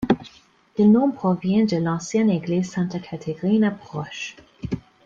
Le nom provient de l'ancienne Église Santa Caterina, proche.